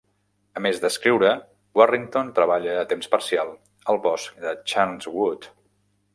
A més d'escriure, Warrington treballa a temps parcial al bosc de Charnwood.